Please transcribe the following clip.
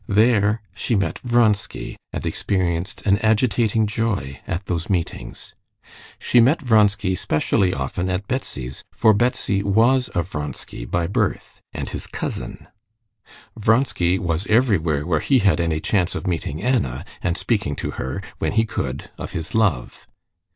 There she met Vronsky, and experienced an agitating joy at those meetings. She met Vronsky specially often at Betsy's for Betsy was a Vronsky by birth and his cousin. Vronsky was everywhere where he had any chance of meeting Anna, and speaking to her, when he could, of his love.